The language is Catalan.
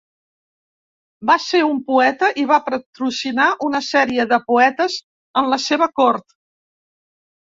Va ser un poeta i va patrocinar una sèrie de poetes en la seva cort.